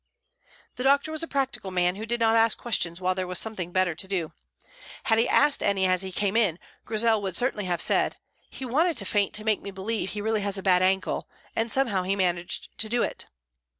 The doctor was a practical man who did not ask questions while there was something better to do. Had he asked any as he came in, Grizel would certainly have said: "He wanted to faint to make me believe he really has a bad ankle, and somehow he managed to do it."